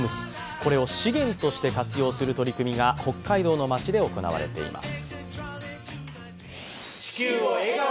これを資源として活用する取り組みが北海道の町で行われています。